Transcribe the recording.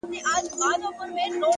د زړه رڼا مخ روښانوي!